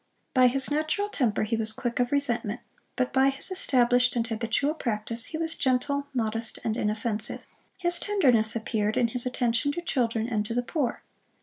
By his natural temper he was quick of resentment; but by his established and habitual practice, he was gentle, modest, and inoffensive. His tenderness appeared in his attention to children, and to the poor.